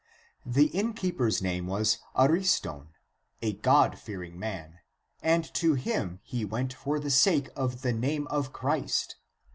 The inn keeper's name was Ariston, a God fearing man, and to him he went for the sake of the name (of Christ).